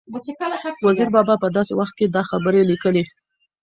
وزیر بابا په داسې وخت کې دا خبرې لیکلي